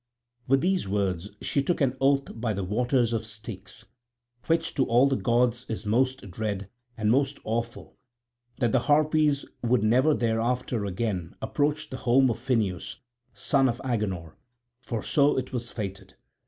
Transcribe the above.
With these words she took an oath by the waters of Styx, which to all the gods is most dread and most awful, that the Harpies would never thereafter again approach the home of Phineus, son of Agenor, for so it was fated.